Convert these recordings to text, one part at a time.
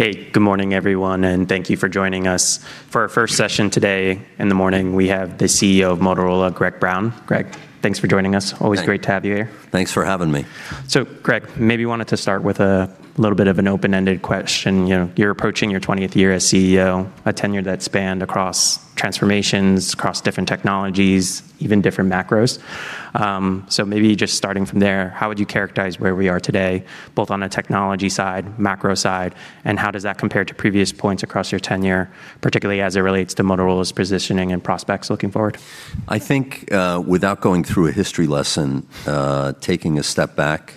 Hey, good morning, everyone, and thank you for joining us. For our first session today in the morning, we have the CEO of Motorola, Greg Brown. Greg, thanks for joining us. Thanks. Always great to have you here. Thanks for having me. Greg, maybe wanted to start with a little bit of an open-ended question. You know, you're approaching your 20th year as CEO, a tenure that spanned across transformations, across different technologies, even different macros. maybe just starting from there, how would you characterize where we are today, both on the technology side, macro side, and how does that compare to previous points across your tenure, particularly as it relates to Motorola's positioning and prospects looking forward? I think, without going through a history lesson, taking a step back,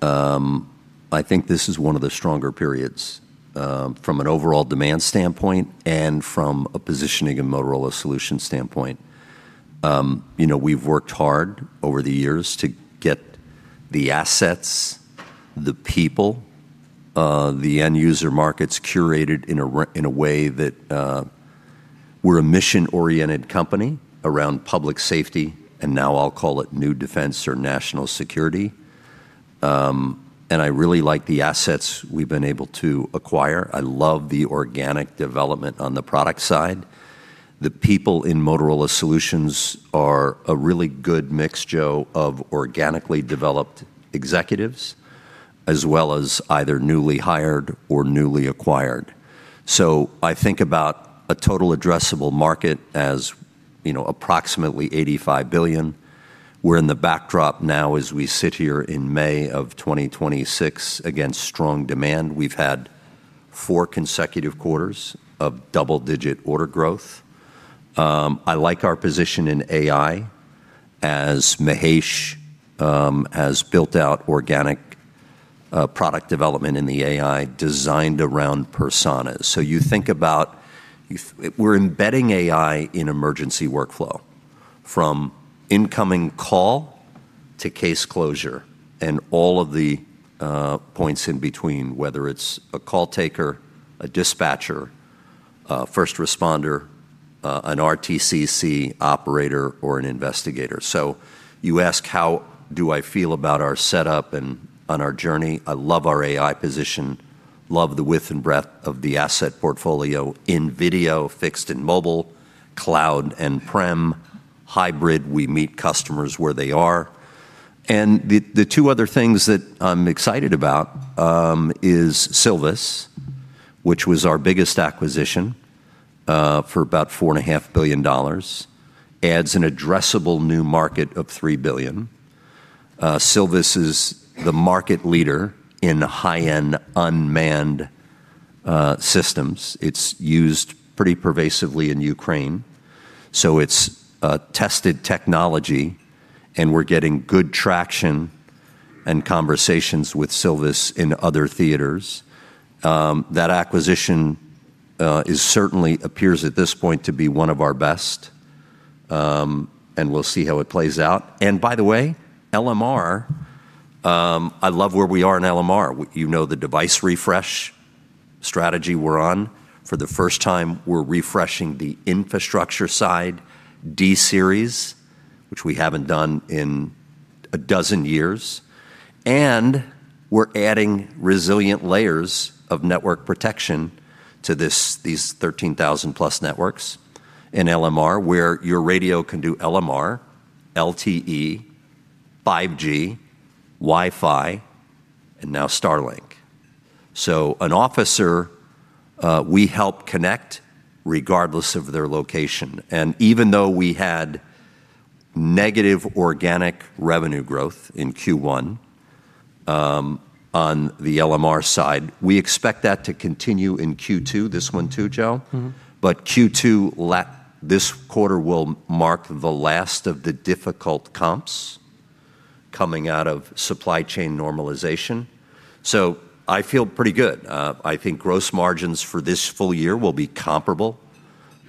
I think this is one of the stronger periods, from an overall demand standpoint and from a positioning and Motorola Solutions standpoint. You know, we've worked hard over the years to get the assets, the people, the end user markets curated in a way that, we're a mission-oriented company around public safety, and now I'll call it new defense or national security. I really like the assets we've been able to acquire. I love the organic development on the product side. The people in Motorola Solutions are a really good mix, Joe, of organically developed executives, as well as either newly hired or newly acquired. I think about a total addressable market as, you know, approximately $85 billion. We're in the backdrop now as we sit here in May of 2026 against strong demand. We've had 4 consecutive quarters of double-digit order growth. I like our position in AI as Mahesh has built out organic product development in the AI designed around personas. You think about we're embedding AI in emergency workflow from incoming call to case closure and all of the points in between, whether it's a call taker, a dispatcher, a first responder, an RTCC operator, or an investigator. You ask, how do I feel about our setup and on our journey? I love our AI position, love the width and breadth of the asset portfolio in video, fixed and mobile, cloud and prem, hybrid. We meet customers where they are. The two other things that I'm excited about is Silvus, which was our biggest acquisition for about $4.5 billion. Adds an addressable new market of $3 billion. Silvus is the market leader in high-end unmanned systems. It's used pretty pervasively in Ukraine, so it's a tested technology, and we're getting good traction and conversations with Silvus in other theaters. That acquisition is certainly appears at this point to be one of our best, and we'll see how it plays out. By the way, LMR, I love where we are in LMR. You know, the device refresh strategy we're on. For the first time, we're refreshing the infrastructure side D-Series, which we haven't done in 12 years. We're adding resilient layers of network protection to this, these 13,000+ networks in LMR, where your radio can do LMR, LTE, 5G, Wi-Fi, and now Starlink. An officer, we help connect regardless of their location. Even though we had negative organic revenue growth in Q1, on the LMR side, we expect that to continue in Q2. This one too, Joe. Q2 this quarter will mark the last of the difficult comps coming out of supply chain normalization. I feel pretty good. I think gross margins for this full year will be comparable,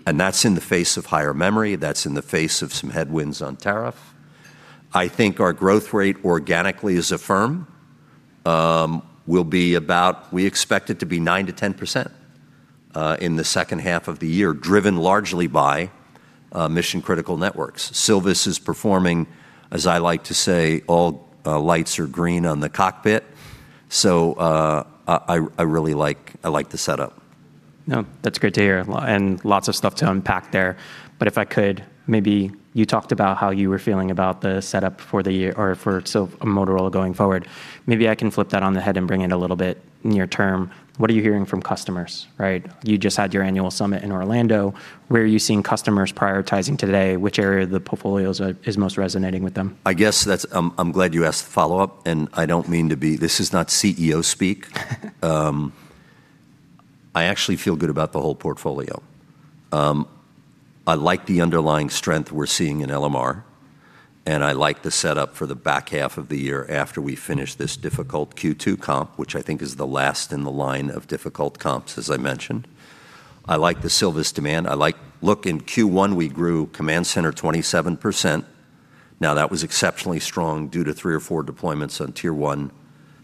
and that's in the face of higher memory. That's in the face of some headwinds on tariff. I think our growth rate organically as a firm, we expect it to be 9%-10% in the second half of the year, driven largely by mission-critical networks. Silvus is performing, as I like to say, all lights are green on the cockpit. I really like the setup. No, that's great to hear, lots of stuff to unpack there. If I could, maybe you talked about how you were feeling about the setup for the year or for Motorola going forward. Maybe I can flip that on the head and bring it a little bit near term. What are you hearing from customers, right? You just had your annual summit in Orlando. Where are you seeing customers prioritizing today? Which area of the portfolios is most resonating with them? I'm glad you asked the follow-up, and I don't mean to be, this is not CEO speak. I actually feel good about the whole portfolio. I like the underlying strength we're seeing in LMR, and I like the setup for the back half of the year after we finish this difficult Q2 comp, which I think is the last in the line of difficult comps, as I mentioned. I like the Silvus demand. Look, in Q1 we grew command center 27%. Now, that was exceptionally strong due to 3 or 4 deployments on tier 1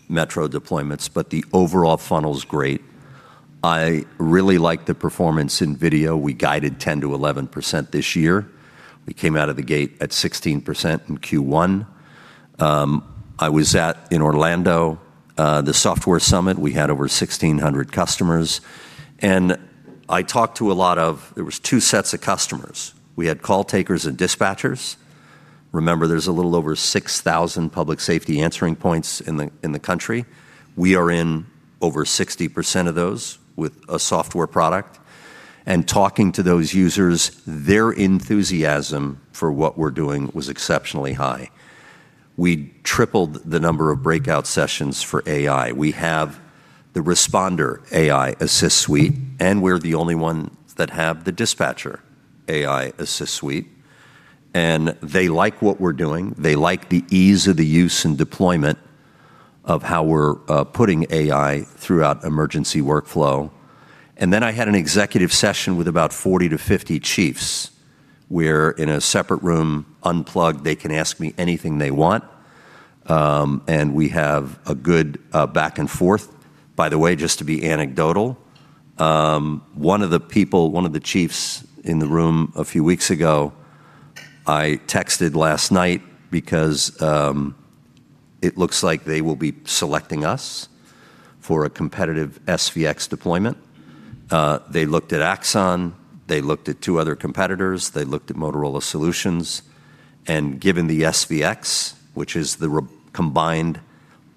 metro deployments, but the overall funnel's great. I really like the performance in video. We guided 10%-11% this year. We came out of the gate at 16% in Q1. I was at Orlando, the software summit. We had over 1,600 customers. There was two sets of customers. We had call takers and dispatchers. Remember, there's a little over 6,000 Public Safety Answering Points in the countroy. We are in over 60% of those with a software product. Talking to those users, their enthusiasm for what we're doing was exceptionally high. We tripled the number of breakout sessions for AI. We have the Responder AI Assist Suite, and we're the only one that have the Dispatcher AI Assist Suite. They like what we're doing. They like the ease of the use and deployment of how we're putting AI throughout emergency workflow. I had an executive session with about 40-50 chiefs. We're in a separate room unplugged. They can ask me anything they want. We have a good back and forth. By the way, just to be anecdotal, one of the people, one of the chiefs in the room a few weeks ago, I texted last night because it looks like they will be selecting us for a competitive SVX deployment. They looked at Axon, they looked at two other competitors, they looked at Motorola Solutions. Given the SVX, which is the re-combined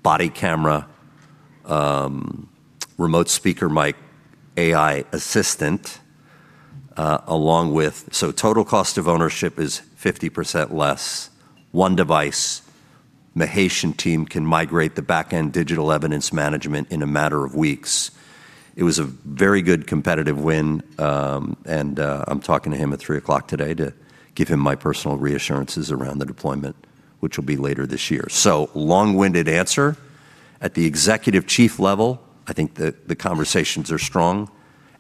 body camera, remote speaker mic AI assistant. Total cost of ownership is 50% less. One device. Mahesh and team can migrate the back-end digital evidence management in a matter of weeks. It was a very good competitive win, and I'm talking to him at 3:00 today to give him my personal reassurances around the deployment, which will be later this year. Long-winded answer. At the executive chief level, I think the conversations are strong.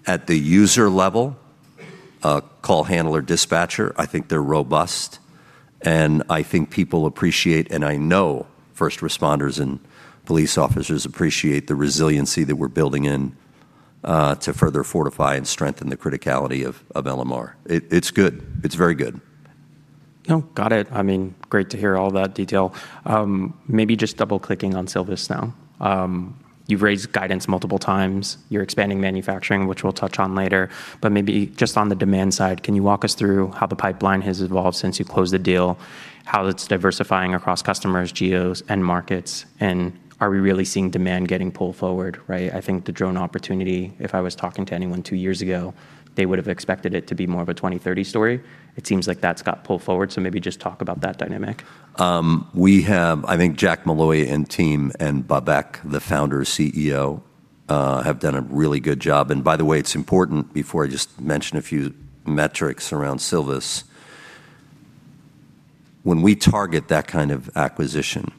At the user level, call handler dispatcher, I think they're robust, and I think people appreciate, and I know first responders and police officers appreciate the resiliency that we're building in to further fortify and strengthen the criticality of LMR. It's good. It's very good. No, got it. I mean, great to hear all that detail. Maybe just double-clicking on Silvus now. You've raised guidance multiple times. You're expanding manufacturing, which we'll touch on later. Maybe just on the demand side, can you walk us through how the pipeline has evolved since you closed the deal, how it's diversifying across customers, geos, end markets, are we really seeing demand getting pulled forward, right? I think the drone opportunity, if I was talking to anyone two years ago, they would have expected it to be more of a 2030 story. It seems like that's got pulled forward, so maybe just talk about that dynamic. We have I think Jack Molloy and team and Babak, the founder CEO, have done a really good job. It's important, before I just mention a few metrics around Silvus, when we target that kind of acquisition,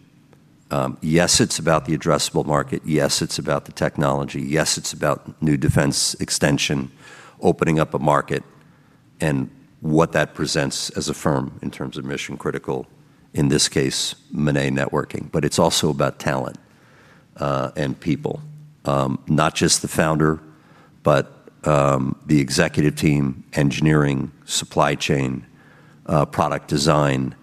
yes, it's about the addressable market. Yes, it's about the technology. Yes, it's about new defense extension, opening up a market and what that presents as a firm in terms of mission-critical, in this case, MANET networking. It's also about talent and people. Not just the founder, but the executive team, engineering, supply chain, product design.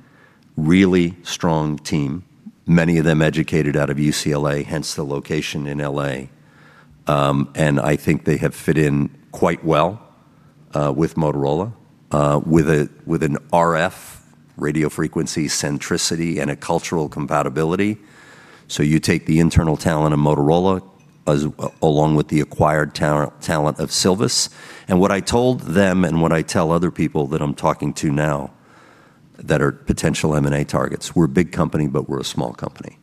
Really strong team, many of them educated out of UCLA, hence the location in L.A. I think they have fit in quite well with Motorola, with an RF radio frequency centricity and a cultural compatibility. You take the internal talent of Motorola along with the acquired talent of Silvus. What I told them and what I tell other people that I'm talking to now that are potential M&A targets, we're a big company, but we're a small company.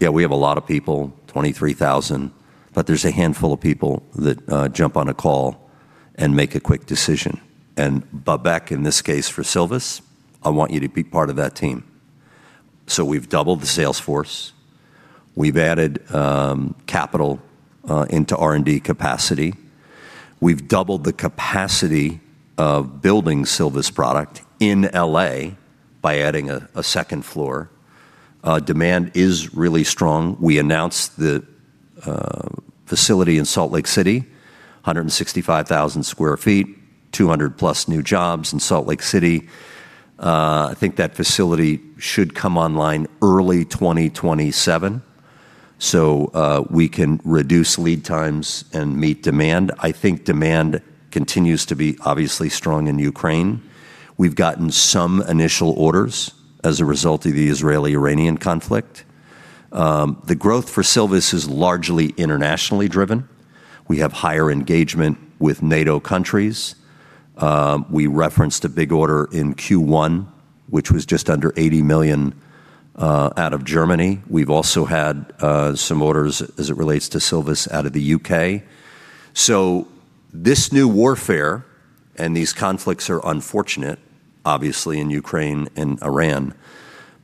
Yeah, we have a lot of people, 23,000, but there's a handful of people that jump on a call and make a quick decision. Babak, in this case for Silvus, I want you to be part of that team. We've doubled the sales force. We've added capital into R&D capacity. We've doubled the capacity of building Silvus product in L.A. by adding a second floor. Demand is really strong. We announced the facility in Salt Lake City, 165,000 sq ft, 200+ new jobs in Salt Lake City. I think that facility should come online early 2027, so we can reduce lead times and meet demand. I think demand continues to be obviously strong in Ukraine. We've gotten some initial orders as a result of the Israeli-Iranian conflict. The growth for Silvus is largely internationally driven. We have higher engagement with NATO countries. We referenced a big order in Q1, which was just under $80 million out of Germany. We've also had some orders as it relates to Silvus out of the U.K. This new warfare and these conflicts are unfortunate, obviously, in Ukraine and Iran,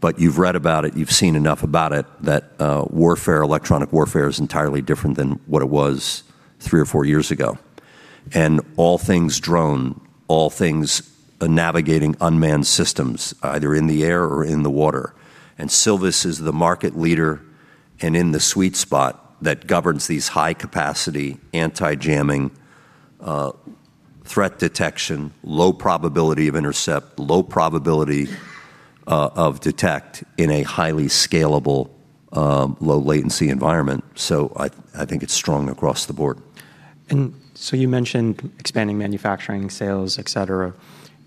but you've read about it, you've seen enough about it that warfare, electronic warfare is entirely different than what it was three or four years ago. All things drone, all things navigating unmanned systems, either in the air or in the water. Silvus is the market leader and in the sweet spot that governs these high-capacity, anti-jamming, threat detection, low probability of intercept, low probability of detect in a highly scalable, low latency environment. I think it's strong across the board. You mentioned expanding manufacturing sales, et cetera,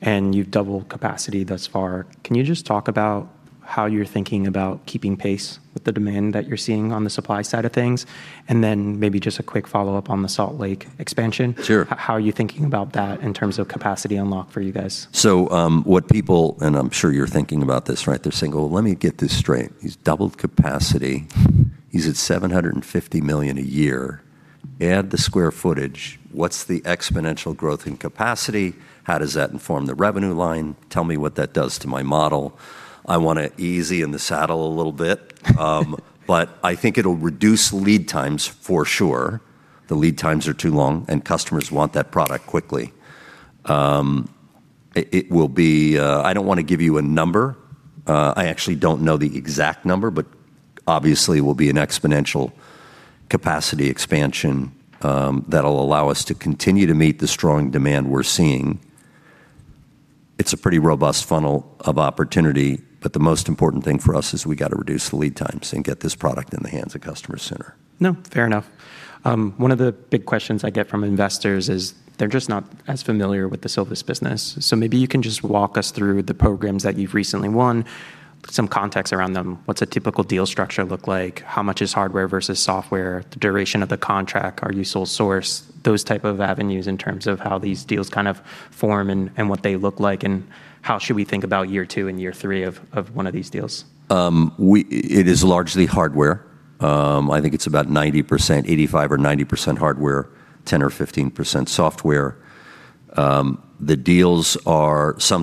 and you've doubled capacity thus far. Can you just talk about how you're thinking about keeping pace with the demand that you're seeing on the supply side of things? Maybe just a quick follow-up on the Salt Lake expansion. Sure. How are you thinking about that in terms of capacity unlock for you guys? What people, and I'm sure you're thinking about this, right? They're saying, "Well, let me get this straight. He's doubled capacity. He's at $750 million a year. Add the square footage. What's the exponential growth in capacity? How does that inform the revenue line? Tell me what that does to my model." I wanna easy in the saddle a little bit. I think it'll reduce lead times for sure. The lead times are too long, and customers want that product quickly. It, it will be, I don't wanna give you a number. I actually don't know the exact number, but obviously it will be an exponential capacity expansion, that'll allow us to continue to meet the strong demand we're seeing. It's a pretty robust funnel of opportunity, but the most important thing for us is we gotta reduce the lead times and get this product in the hands of customers sooner. No, fair enough. One of the big questions I get from investors is they're just not as familiar with the Silvus business. Maybe you can just walk us through the programs that you've recently won, some context around them. What's a typical deal structure look like? How much is hardware versus software? The duration of the contract. Are you sole source? Those type of avenues in terms of how these deals kind of form and what they look like, and how should we think about year 2 and year 3 of one of these deals? It is largely hardware. I think it's about 90%, 85% or 90% hardware, 10% or 15% software. Some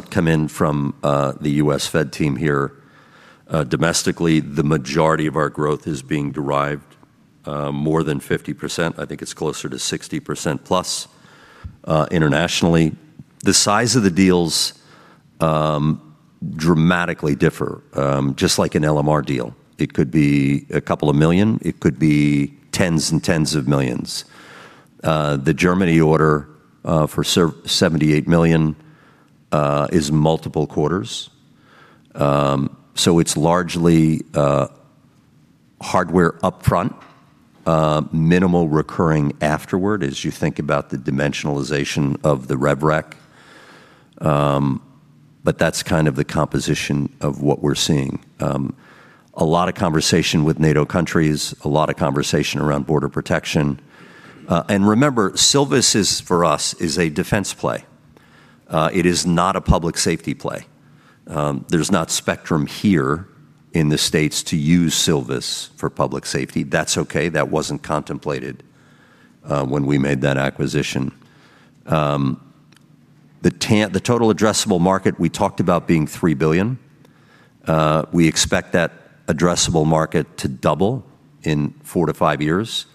come in from the U.S. Fed team here. Domestically, the majority of our growth is being derived, more than 50%. I think it's closer to 60%+, internationally. The size of the deals dramatically differ, just like an LMR deal. It could be $2 million, it could be tens of millions. The Germany order for $78 million is multiple quarters. It's largely hardware upfront, minimal recurring afterward as you think about the dimensionalization of the rev rec. That's kind of the composition of what we're seeing. A lot of conversation with NATO countries, a lot of conversation around border protection. Remember, Silvus is, for us, is a defense play. It is not a public safety play. There's not spectrum here in the States to use Silvus for public safety. That's okay. That wasn't contemplated when we made that acquisition. The total addressable market, we talked about being $3 billion. We expect that addressable market to double in four to five years.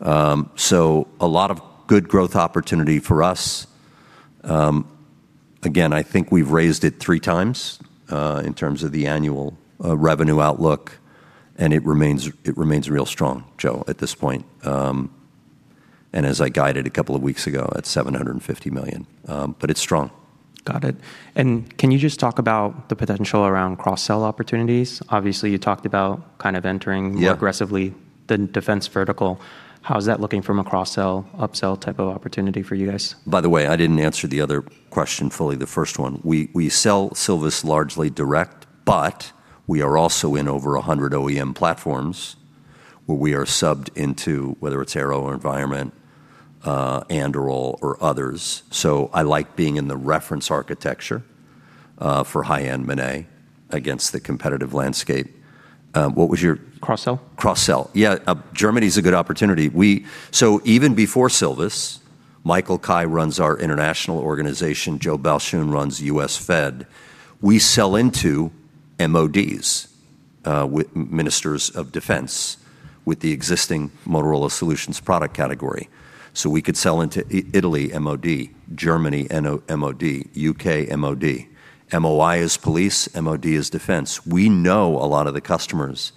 A lot of good growth opportunity for us. Again, I think we've raised it 3x in terms of the annual revenue outlook, and it remains real strong, Joe, at this point. As I guided a couple of weeks ago, at $750 million. It's strong. Got it. Can you just talk about the potential around cross-sell opportunities? Obviously, you talked about kind of entering- Yeah. More aggressively the defense vertical. How is that looking from a cross-sell, up-sell type of opportunity for you guys? By the way, I didn't answer the other question fully, the first one. We sell Silvus largely direct, but we are also in over 100 OEM platforms where we are subbed into whether it's AeroVironment, Anduril or others. I like being in the reference architecture for high-end MANET against the competitive landscape. Cross-sell. Cross-sell. Germany is a good opportunity. Even before Silvus, Michael Kaae runs our international organization, Joe Belcher runs U.S. Fed. We sell into MODs with Ministers of Defense, with the existing Motorola Solutions product category. We could sell into Italy MOD, Germany MOD, U.K. MOD. MOI is police, MOD is defense. We know a lot of the customers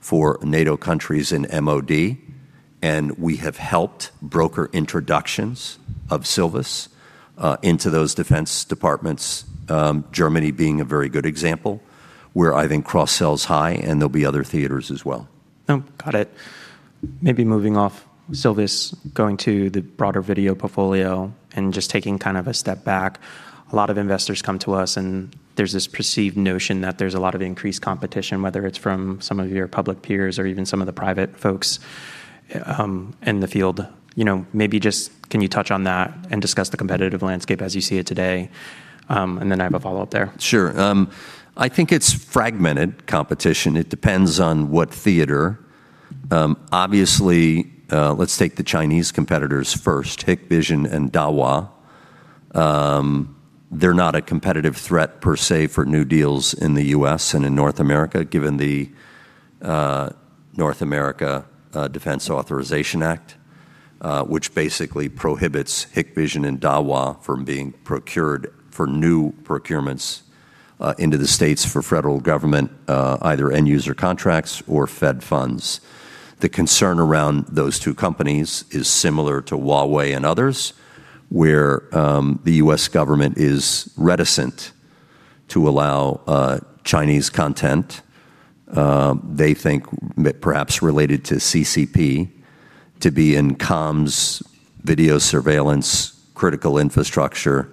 for NATO countries in MOD, and we have helped broker introductions of Silvus into those defense departments, Germany being a very good example, where I think cross-sell is high, and there'll be other theaters as well. Got it. Maybe moving off Silvus, going to the broader video portfolio and just taking kind of a step back. A lot of investors come to us, and there's this perceived notion that there's a lot of increased competition, whether it's from some of your public peers or even some of the private folks, in the field. You know, maybe just can you touch on that and discuss the competitive landscape as you see it today? I have a follow-up there. Sure. I think it's fragmented competition. It depends on what theater. Let's take the Chinese competitors first, Hikvision and Dahua. They're not a competitive threat per se for new deals in the U.S. and in North America, given the North America Defense Authorization Act, which basically prohibits Hikvision and Dahua from being procured for new procurements into the States for federal government either end user contracts or fed funds. The concern around those two companies is similar to Huawei and others, where the U.S. government is reticent to allow Chinese content, they think perhaps related to CCP, to be in comms, video surveillance, critical infrastructure.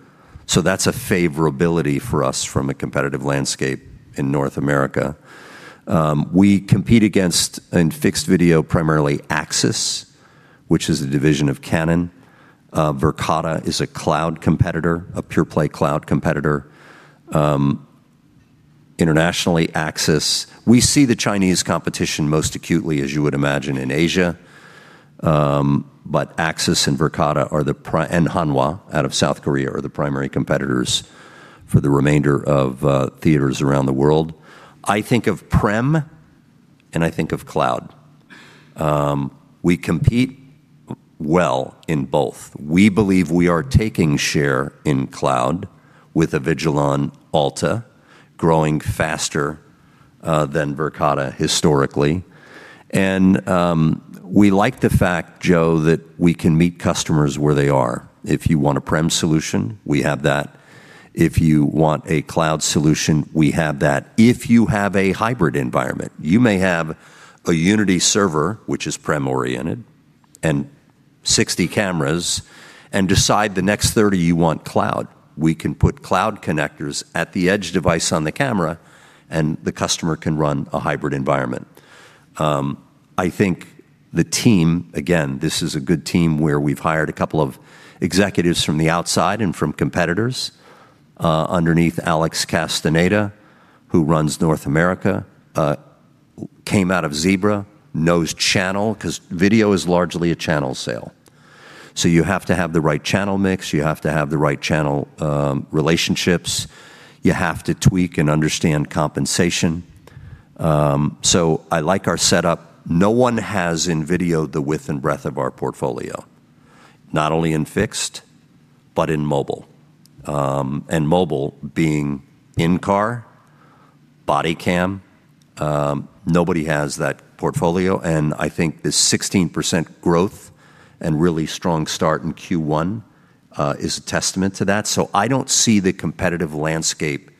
That's a favorability for us from a competitive landscape in North America. We compete against, in fixed video, primarily Axis, which is a division of Canon. Internationally, Axis We see the Chinese competition most acutely, as you would imagine, in Asia. Axis and Verkada and Hanwha out of South Korea are the primary competitors for the remainder of theaters around the world. I think of prem and I think of cloud. We compete well in both. We believe we are taking share in cloud with Avigilon Alta growing faster than Verkada historically. We like the fact, Joe, that we can meet customers where they are. If you want a prem solution, we have that. If you want a cloud solution, we have that. If you have a hybrid environment, you may have a Unity server, which is prem-oriented, and 60 cameras, and decide the next 30 you want cloud. We can put cloud connectors at the edge device on the camera. The customer can run a hybrid environment. I think the team, again, this is a good team where we've hired a couple of executives from the outside and from competitors, underneath Alex Castaneda, who runs North America. Came out of Zebra, knows channel, 'cause video is largely a channel sale. You have to have the right channel mix. You have to have the right channel, relationships. You have to tweak and understand compensation. I like our setup. No one has in video the width and breadth of our portfolio, not only in fixed but in mobile. Mobile being in-car, body cam, nobody has that portfolio. I think this 16% growth and really strong start in Q1 is a testament to that. I don't see the competitive landscape,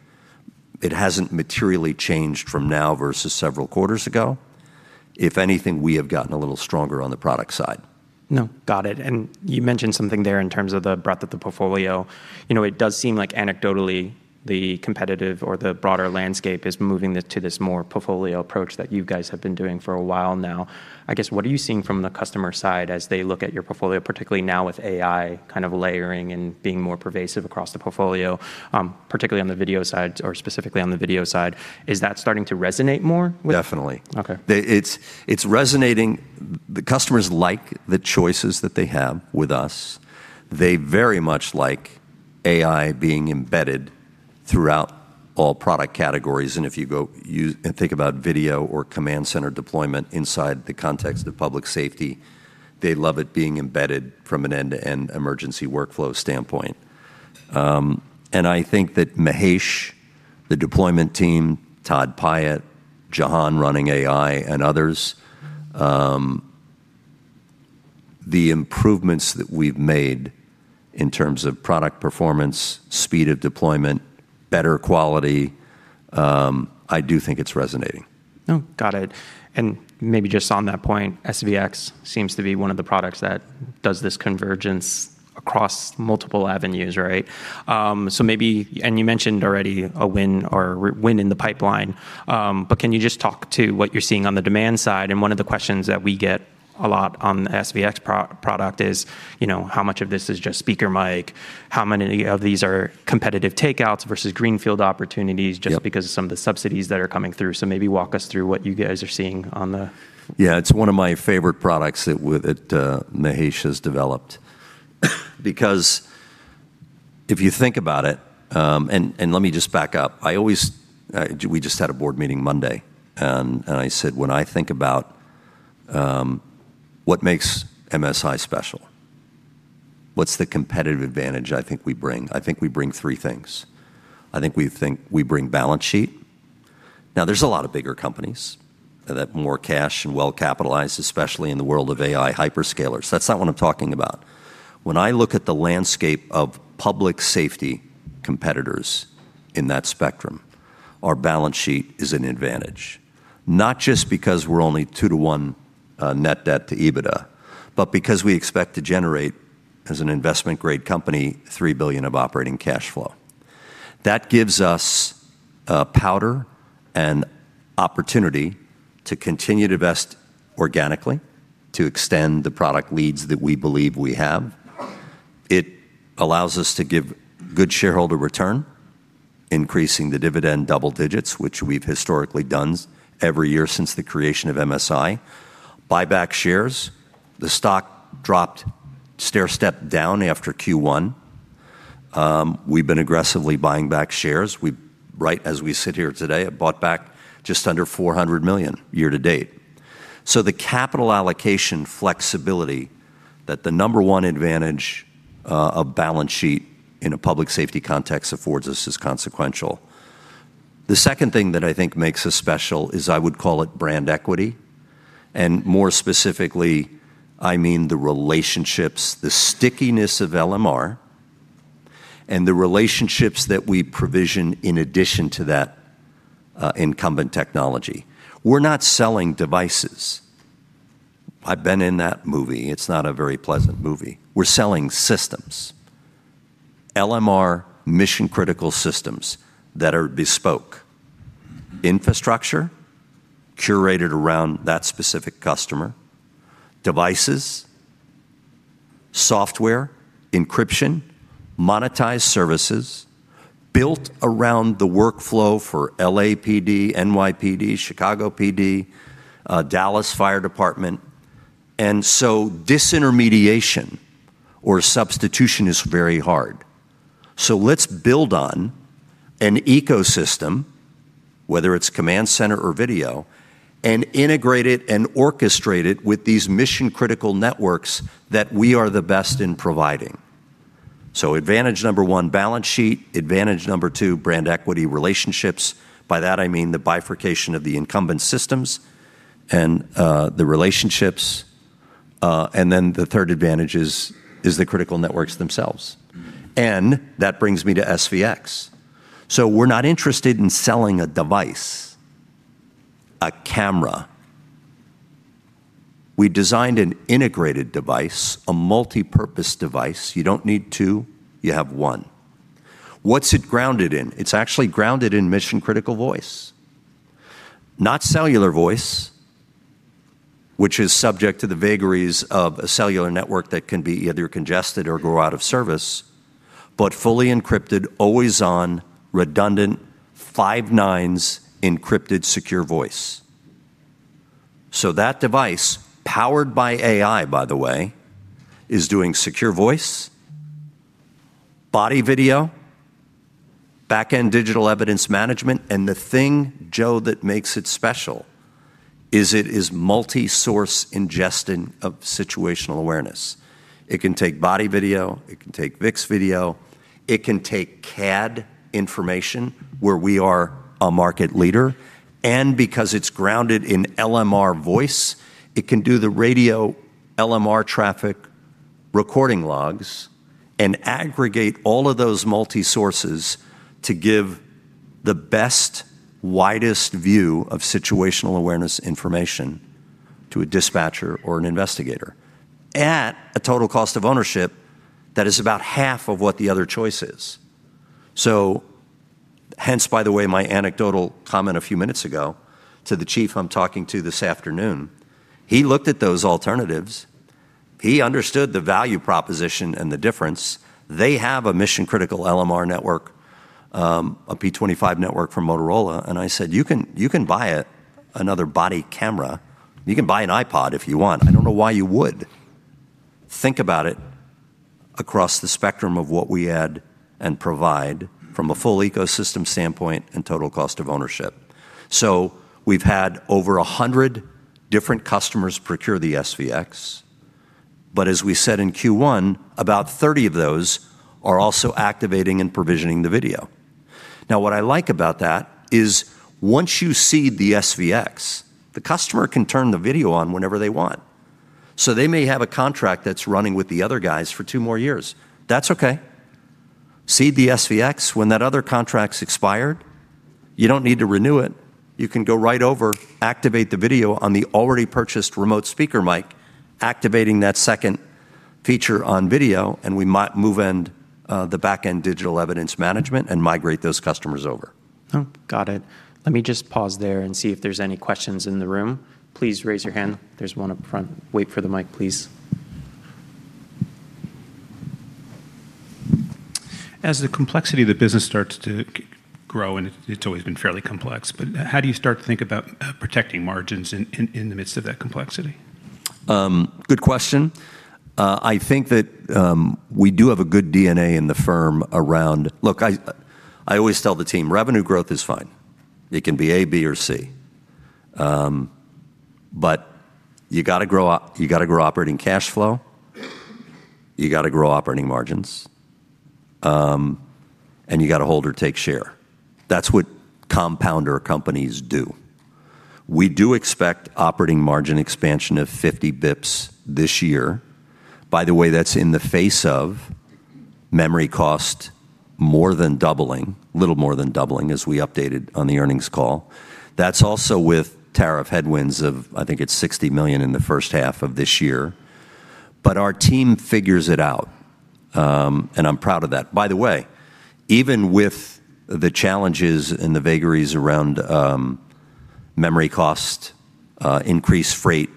it hasn't materially changed from now versus several quarters ago. If anything, we have gotten a little stronger on the product side. No, got it. You mentioned something there in terms of the breadth of the portfolio. You know, it does seem like anecdotally, the competitive or the broader landscape is moving to this more portfolio approach that you guys have been doing for a while now. I guess, what are you seeing from the customer side as they look at your portfolio, particularly now with AI kind of layering and being more pervasive across the portfolio, particularly on the video side or specifically on the video side? Is that starting to resonate more? Definitely. Okay. It's resonating. The customers like the choices that they have with us. They very much like AI being embedded throughout all product categories, and if you think about video or command center deployment inside the context of public safety, they love it being embedded from an end-to-end emergency workflow standpoint. I think that Mahesh, the deployment team, Todd Piett, Jehan running AI, and others, the improvements that we've made in terms of product performance, speed of deployment, better quality, I do think it's resonating. Oh, got it. Maybe just on that point, SVX seems to be one of the products that does this convergence across multiple avenues, right? Maybe, and you mentioned already a win in the pipeline, can you just talk to what you're seeing on the demand side? One of the questions that we get a lot on the SVX product is, you know, how much of this is just speaker mic? How many of these are competitive takeouts versus greenfield opportunities? Yep. Just because of some of the subsidies that are coming through? Maybe walk us through what you guys are seeing on the. Yeah, it's one of my favorite products that Mahesh has developed. If you think about it, let me just back up. I always, we just had a board meeting Monday, I said, when I think about what makes MSI special, what's the competitive advantage I think we bring? I think we bring three things. I think we think we bring balance sheet. There's a lot of bigger companies that have more cash and well-capitalized, especially in the world of AI hyperscalers. That's not what I'm talking about. When I look at the landscape of public safety competitors in that spectrum, our balance sheet is an advantage. Not just because we're only 2:1 net debt to EBITDA, but because we expect to generate, as an investment-grade company, $3 billion of operating cash flow. That gives us powder and opportunity to continue to invest organically, to extend the product leads that we believe we have. It allows us to give good shareholder return. Increasing the dividend double digits, which we've historically done every year since the creation of MSI. Buy back shares. The stock dropped stairstep down after Q1. We've been aggressively buying back shares. Right as we sit here today, have bought back just under $400 million year to date. The capital allocation flexibility that the number 1 advantage of balance sheet in a public safety context affords us is consequential. The second thing that I think makes us special is I would call it brand equity, and more specifically, I mean the relationships, the stickiness of LMR, and the relationships that we provision in addition to that incumbent technology. We're not selling devices. I've been in that movie. It's not a very pleasant movie. We're selling systems, LMR mission-critical systems that are bespoke. Infrastructure curated around that specific customer. Devices, software, encryption, monetized services built around the workflow for LAPD, NYPD, Chicago PD, Dallas Fire Department. Disintermediation or substitution is very hard. Let's build on an ecosystem, whether it's command center or video, and integrate it and orchestrate it with these mission-critical networks that we are the best in providing. Advantage number one, balance sheet. Advantage number two, brand equity relationships. By that I mean the bifurcation of the incumbent systems and the relationships. The 3rd advantage is the critical networks themselves. That brings me to SVX. We're not interested in selling a device, a camera. We designed an integrated device, a multipurpose device. You don't need two, you have one. What's it grounded in? It's actually grounded in mission-critical voice. Not cellular voice, which is subject to the vagaries of a cellular network that can be either congested or go out of service, but fully encrypted, always on, redundant, five nines encrypted secure voice. That device, powered by AI by the way, is doing secure voice, body video, back-end digital evidence management, and the thing, Joe, that makes it special is it is multi-source ingesting of situational awareness. It can take body video, it can take SVX video, it can take CAD information where we are a market leader. Because it's grounded in LMR voice, it can do the radio LMR traffic recording logs and aggregate all of those multi-sources to give the best, widest view of situational awareness information to a dispatcher or an investigator at a total cost of ownership that is about half of what the other choice is. Hence, by the way, my anecdotal comment a few minutes ago to the chief I'm talking to this afternoon. He looked at those alternatives. He understood the value proposition and the difference. They have a mission-critical LMR network, a P25 network from Motorola, and I said, "You can buy another body camera. You can buy an iPod if you want. I don't know why you would." Think about it across the spectrum of what we add and provide from a full ecosystem standpoint and total cost of ownership. We've had over 100 different customers procure the SVX. As we said in Q1, about 30 of those are also activating and provisioning the video. What I like about that is once you seed the SVX, the customer can turn the video on whenever they want. They may have a contract that's running with the other guys for two more years. That's okay. Seed the SVX. When that other contract's expired, you don't need to renew it. You can go right over, activate the video on the already purchased remote speaker mic, activating that second feature on video, and we move the back-end digital evidence management and migrate those customers over. Got it. Let me just pause there and see if there's any questions in the room. Please raise your hand. There's one up front. Wait for the mic, please. As the complexity of the business starts to grow, and it's always been fairly complex, but how do you start to think about protecting margins in the midst of that complexity? Good question. I think that we do have a good DNA in the firm around Look, I always tell the team, revenue growth is fine. It can be A, B, or C. You gotta grow operating cash flow, you gotta grow operating margins, and you gotta hold or take share. That's what compounder companies do. We do expect operating margin expansion of 50 basis points this year. By the way, that's in the face of memory cost more than doubling, little more than doubling as we updated on the earnings call. That's also with tariff headwinds of, I think it's $60 million in the first half of this year. Our team figures it out, and I'm proud of that. By the way, even with the challenges and the vagaries around memory cost, increased freight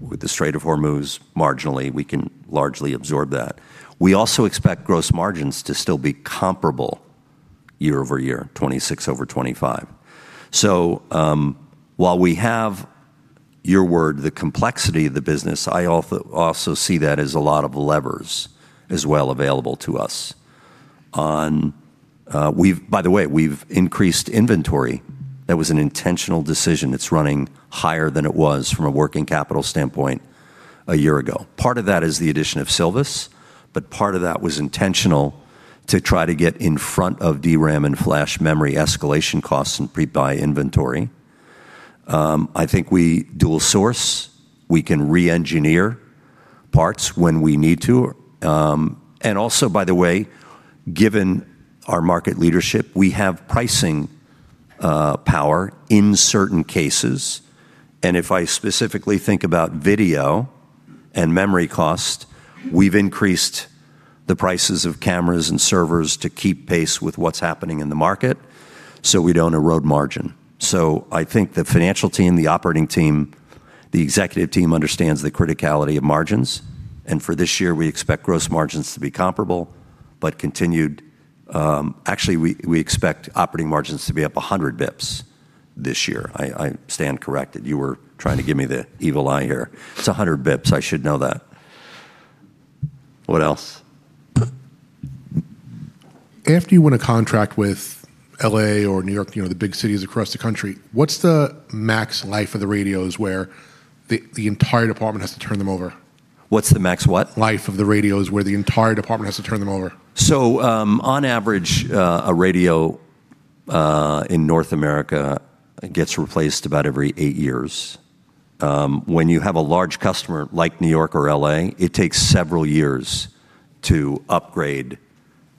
with the Strait of Hormuz marginally, we can largely absorb that. We also expect gross margins to still be comparable year over year, 26 over 25. While we have your word, the complexity of the business, I also see that as a lot of levers as well available to us. On. By the way, we've increased inventory. That was an intentional decision. It's running higher than it was from a working capital standpoint one year ago. Part of that is the addition of Silvus, but part of that was intentional to try to get in front of DRAM and flash memory escalation costs and pre-buy inventory. I think we dual source, we can re-engineer parts when we need to. Also, by the way, given our market leadership, we have pricing power in certain cases. If I specifically think about video and memory cost, we've increased the prices of cameras and servers to keep pace with what's happening in the market, so we don't erode margin. I think the financial team, the operating team, the executive team understands the criticality of margins. For this year, we expect gross margins to be comparable, but continued actually, we expect operating margins to be up 100 basis points this year. I stand corrected. You were trying to give me the evil eye here. It's 100 basis points. I should know that. What else? After you win a contract with L.A. or New York, you know, the big cities across the country, what's the max life of the radios where the entire department has to turn them over? What's the max what? Life of the radios where the entire department has to turn them over. On average, a radio in North America gets replaced about every eight years. When you have a large customer like New York or L.A., it takes several years to upgrade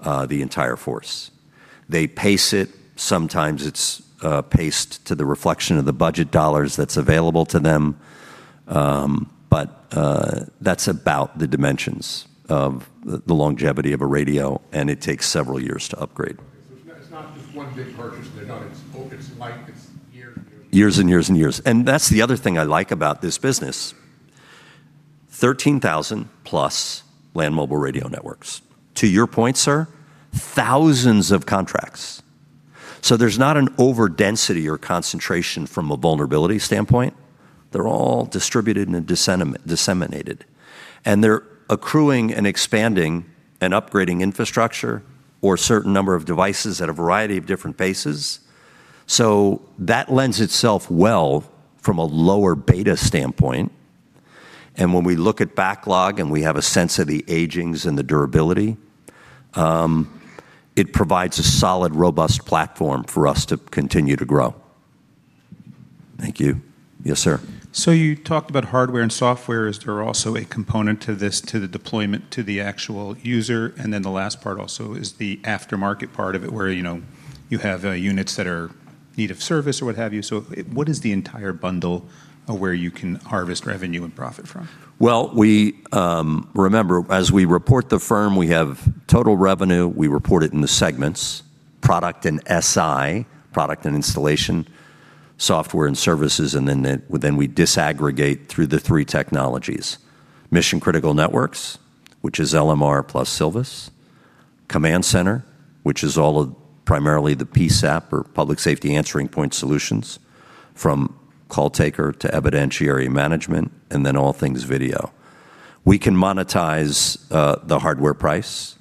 the entire force. They pace it. Sometimes it's paced to the reflection of the budget dollars that's available to them. That's about the dimensions of the longevity of a radio, and it takes several years to upgrade. Years and years and years. That's the other thing I like about this business. 13,000+ land mobile radio networks. To your point, sir, thousands of contracts. There's not an overdensity or concentration from a vulnerability standpoint. They're all distributed and disseminated. They're accruing and expanding and upgrading infrastructure or a certain number of devices at a variety of different paces. That lends itself well from a lower beta standpoint. When we look at backlog and we have a sense of the agings and the durability, it provides a solid, robust platform for us to continue to grow. Thank you. Yes, sir. You talked about hardware and software. Is there also a component to this, to the deployment to the actual user? The last part also is the aftermarket part of it, where, you know, you have units that are in need of service or what have you. What is the entire bundle of where you can harvest revenue and profit from? Remember, as we report the firm, we have total revenue. We report it in the segments, product and SI, product and installation, software and services, and then we disaggregate through the three technologies. Mission critical networks, which is LMR plus Silvus. Command center, which is all of primarily the PSAP or Public Safety Answering Point solutions, from call taker to evidentiary management, and then all things video. We can monetize the hardware price.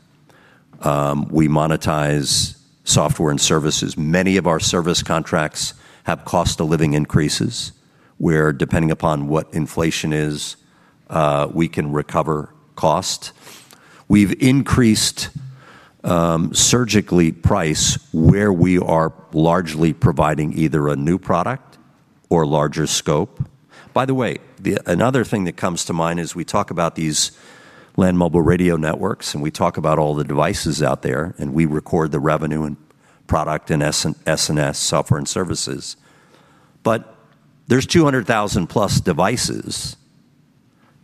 We monetize software and services. Many of our service contracts have cost of living increases, where depending upon what inflation is, we can recover cost. We've increased surgically price where we are largely providing either a new product or larger scope. By the way, another thing that comes to mind is we talk about these land mobile radio networks, and we talk about all the devices out there, and we record the revenue and product in S&S, software and services. There's 200,000+ devices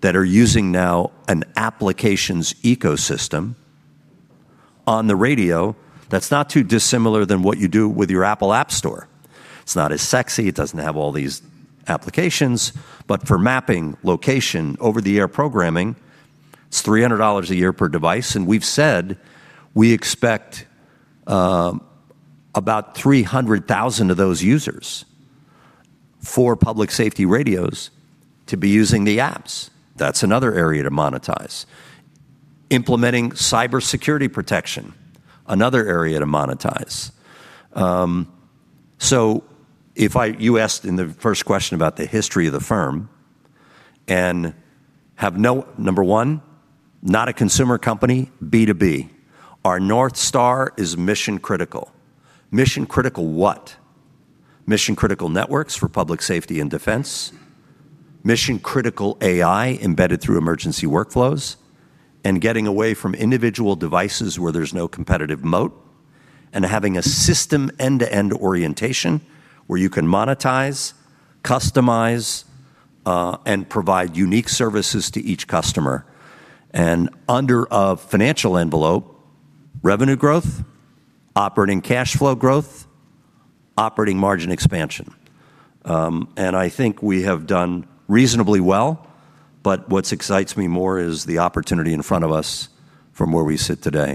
that are using now an applications ecosystem on the radio that's not too dissimilar than what you do with your Apple App Store. It's not as sexy, it doesn't have all these applications, for mapping location over the air programming, it's $300 a year per device. We've said we expect about 300,000 of those users for Public Safety radios to be using the apps. That's another area to monetize. Implementing cybersecurity protection, another area to monetize. You asked in the first question about the history of the firm and number one, not a consumer company, B2B. Our North Star is mission critical. Mission critical what? Mission critical networks for public safety and defense, mission critical AI embedded through emergency workflows, and getting away from individual devices where there's no competitive moat, and having a system end-to-end orientation where you can monetize, customize, and provide unique services to each customer. Under a financial envelope, revenue growth, operating cash flow growth, operating margin expansion. I think we have done reasonably well, but what excites me more is the opportunity in front of us from where we sit today.